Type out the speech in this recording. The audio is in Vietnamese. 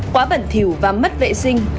quá bẩn thiểu và mất vệ sinh